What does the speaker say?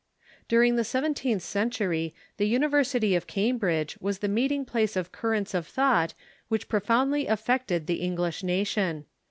During the seventeenth century the University of Cambridge was the meeting place of currents of thought which profound ly tiffected the Ensflish nation.